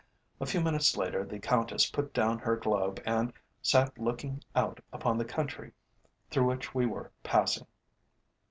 A few minutes later the Countess put down her Globe, and sat looking out upon the country through which we were passing.